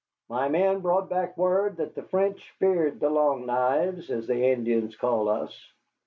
My men brought back word that the French feared the Long Knives, as the Indians call us.